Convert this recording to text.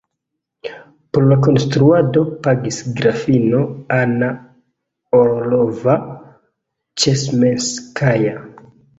Por la konstruado pagis grafino Anna Orlova-Ĉesmenskaja.